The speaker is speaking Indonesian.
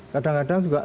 kadang kadang juga